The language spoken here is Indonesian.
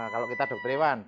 kalau kita dokter hewan